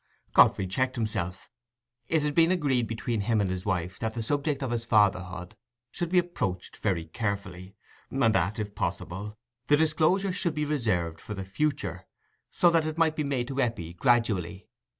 Godfrey checked himself. It had been agreed between him and his wife that the subject of his fatherhood should be approached very carefully, and that, if possible, the disclosure should be reserved for the future, so that it might be made to Eppie gradually.